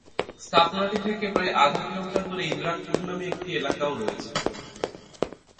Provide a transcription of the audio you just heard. স্থাপনাটি থেকে প্রায় আধা কিলোমিটার দূরে ইদ্রাকপুর নামে একটি এলাকাও রয়েছে।